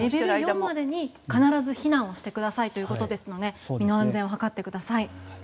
必ず避難をしてくださいということなので身の安全を図ってください。